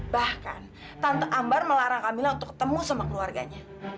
bahkan tante ambar melarang kamila untuk ketemu sama keluarganya